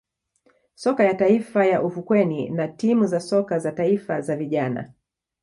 soka ya taifa ya ufukweni na timu za soka za taifa za vijana